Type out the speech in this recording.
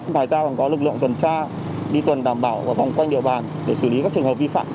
bài giao còn có lực lượng tuần tra đi tuần đảm bảo và vòng quanh địa bàn để xử lý các trường hợp vi phạm